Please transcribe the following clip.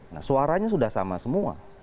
nah suaranya sudah sama semua